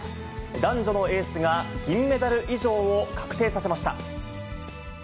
男女のエースが銀メダル以上を確定させました。